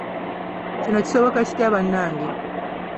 Kino kisoboka kitya bannange?